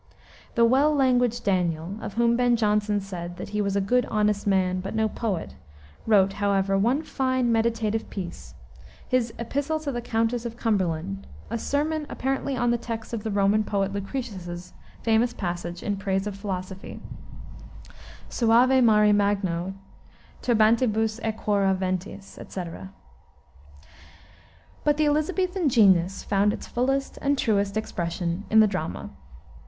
The "well languaged Daniel," of whom Ben Jonson said that he was "a good honest man, but no poet," wrote, however, one fine meditative piece, his Epistle to the Countess of Cumberland, a sermon apparently on the text of the Roman poet Lucretius's famous passage in praise of philosophy, "Suave mari magno, turbantibus aequora ventis," etc. But the Elisabethan genius found its fullest and truest expression in the drama.